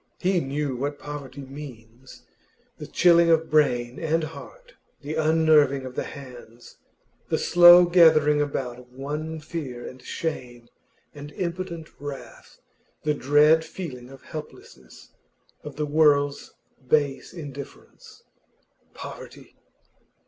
He knew what poverty means. The chilling of brain and heart, the unnerving of the hands, the slow gathering about one of fear and shame and impotent wrath, the dread feeling of helplessness, of the world's base indifference. Poverty!